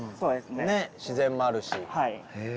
ねえ自然もあるし。